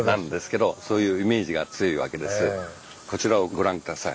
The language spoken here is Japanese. こちらをご覧下さい。